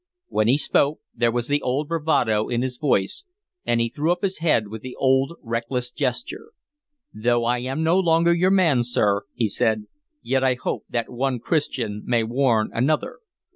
When he spoke there was the old bravado in his voice, and he threw up his head with the old reckless gesture. "Though I am no longer your man, sir," he said, "yet I hope that one Christian may warn another.